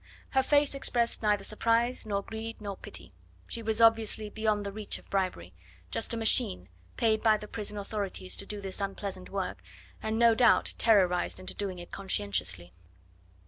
Her face expressed neither surprise, nor greed nor pity. She was obviously beyond the reach of bribery just a machine paid by the prison authorities to do this unpleasant work, and no doubt terrorised into doing it conscientiously.